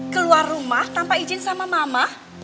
keluar rumah tanpa izin sama mama